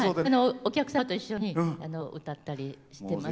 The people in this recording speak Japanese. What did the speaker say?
お客様と一緒に歌ったりしてます。